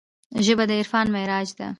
ژبه د عرفان معراج دی